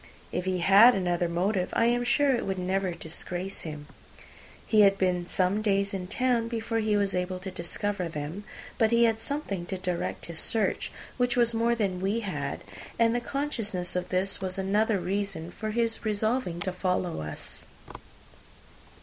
If he had another motive, I am sure it would never disgrace him. He had been some days in town before he was able to discover them; but he had something to direct his search, which was more than we had; and the consciousness of this was another reason for his resolving to follow us.